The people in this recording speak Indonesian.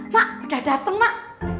mak udah dateng mak